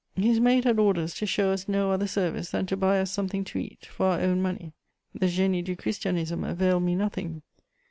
His maid had orders to show us no other service than to buy us something to eat, for our own money: the Génie du Christianisme availed me nothing.